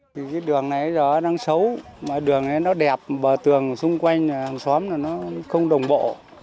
cái đường này nó đang xấu mà đường này nó đẹp bờ tường xung quanh xóm nó không đồng bộ